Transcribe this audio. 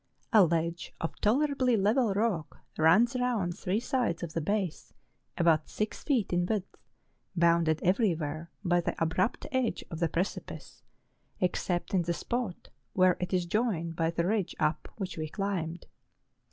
A ledge of tolerably level rock runs round three sides of the base, about six feet in width, bounded everywhere by the abrupt edge of the precipice, except in the spot where it is joined PETER BOTTE. 255 by the ridge up which we climbed.